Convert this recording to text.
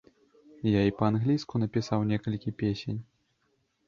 Я і па-англійску напісаў некалькі песень.